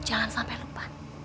jangan sampai lupa